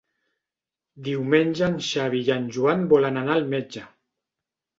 Diumenge en Xavi i en Joan volen anar al metge.